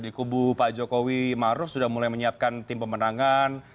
di kubu pak jokowi maruf sudah mulai menyiapkan tim pemenangan